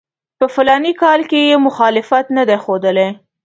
په فلاني کال کې یې مخالفت نه دی ښودلی.